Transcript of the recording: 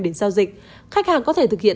đến giao dịch khách hàng có thể thực hiện